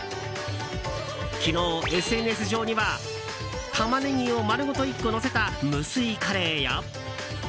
昨日ＳＮＳ上にはタマネギを丸ごと１個のせた無水カレーや。